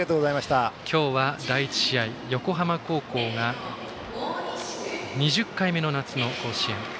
今日は、第１試合横浜高校が２０回目の夏の甲子園。